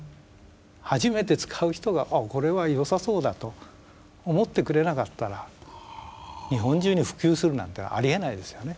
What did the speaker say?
初めて使う人がこれは良さそうだと思ってくれなかったら日本中に普及するなんてありえないですよね。